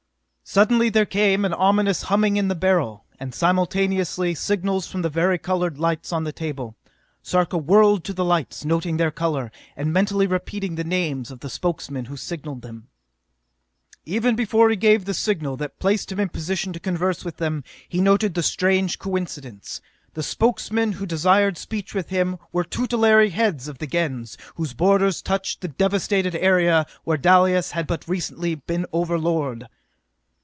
Suddenly there came an ominous humming in the Beryl, and simultaneously signals from the vari colored lights on the table. Sarka whirled to the lights, noting their color, and mentally repeating the names of the Spokesmen who signalled him. Even before he gave the signal that placed him in position to converse with them, he noted the strange coincidence. The Spokesmen who desired speech with him were tutelary heads of Gens whose borders touched the devasted area where Dalis had but recently been overlord!